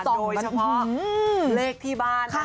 โดยเฉพาะเลขที่บ้าน